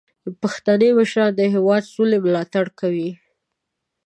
پښتني مشران د هیواد د سولې ملاتړ کوي.